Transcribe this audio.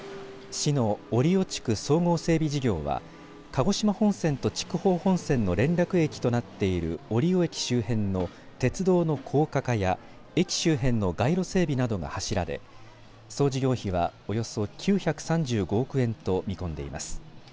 市の折尾地区総合整備事業は鹿児島本線と筑豊本線の連絡駅となっている折尾駅周辺の鉄道の高架化や駅周辺の回路整備などが柱で総事業費はおよそ９３５億円と見込んでいます。